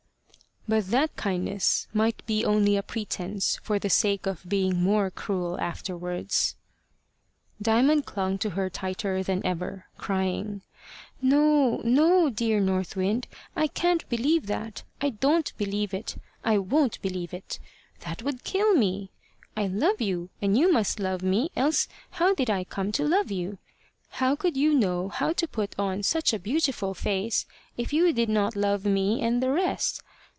"But that kindness might be only a pretence for the sake of being more cruel afterwards." Diamond clung to her tighter than ever, crying "No, no, dear North Wind; I can't believe that. I don't believe it. I won't believe it. That would kill me. I love you, and you must love me, else how did I come to love you? How could you know how to put on such a beautiful face if you did not love me and the rest?